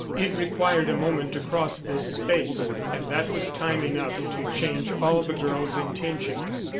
It required a moment to cross this space; and that was time enough to change all the girl's intentions.